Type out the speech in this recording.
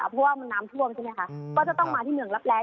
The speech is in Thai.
เพราะว่ามันน้ำท่วมใช่ไหมคะก็จะต้องมาที่เหมืองรับแรง